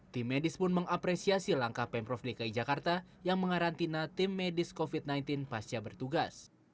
tim medis pun mengapresiasi langkah pemprov dki jakarta yang mengarantina tim medis covid sembilan belas pasca bertugas